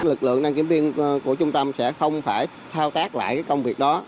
lực lượng đăng kiểm viên của trung tâm sẽ không phải thao tác lại công việc đó